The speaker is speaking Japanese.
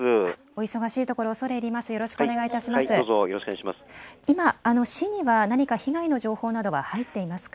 お忙しいところ恐れ入ります。